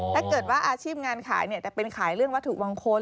ถ้าเกิดว่าอาชีพงานขายจะเป็นขายเรื่องวัตถุมงคล